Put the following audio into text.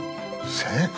正解！